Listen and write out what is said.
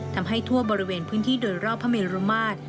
ทำให้ทั่วบริเวณพื้นที่โดยรอบพระเมรุมาตร